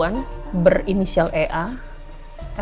akhirnya gak parlok